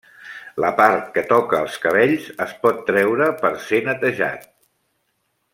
La part que toca als cabells es pot treure per ser netejat.